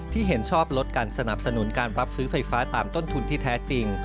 เห็นชอบลดการสนับสนุนการรับซื้อไฟฟ้าตามต้นทุนที่แท้จริง